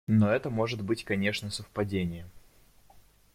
Но это может быть, конечно, совпадение.